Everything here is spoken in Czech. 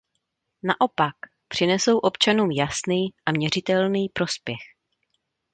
Naopak, přinesou občanům jasný a měřitelný prospěch.